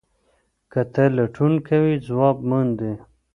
که ته لټون کوې ځواب موندې.